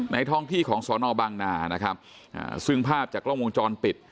ท้องที่ของสอนอบางนานะครับซึ่งภาพจากกล้องวงจรปิด